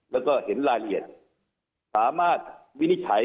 แล้วก็เห็นรายละเอียดสามารถวินิจฉัย